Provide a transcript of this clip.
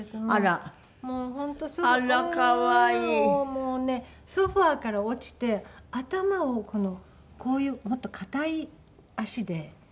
もうねソファから落ちて頭をこういうもっと硬い脚で石かな？